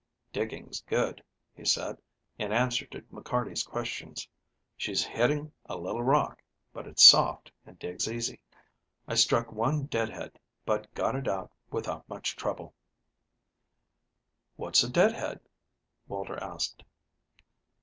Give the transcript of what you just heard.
"Digging's good," he said, in answer to McCarty's questions. "She's hitting a little rock, but it's soft and digs easy. I struck one dead head, but got it out without much trouble." "What's a dead head?" Walter asked.